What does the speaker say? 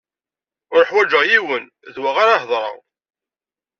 Uḥwaǧeɣ yiwen d wi ara heḍṛeɣ.